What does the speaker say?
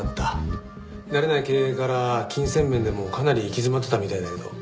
慣れない経営から金銭面でもかなり行き詰まってたみたいだけど。